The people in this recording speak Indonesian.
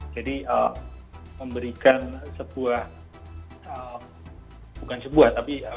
memberikan sebuah bukan sebuah tapi